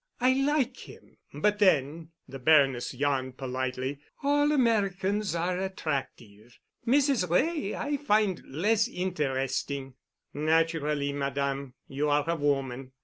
"I like him; but then"—the Baroness yawned politely—"all Americans are attractive. Mrs. Wray I find less interesting." "Naturally, madame. You are a woman."